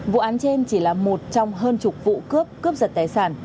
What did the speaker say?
vụ án trên chỉ là một trong hơn chục vụ cướp cướp giật tài sản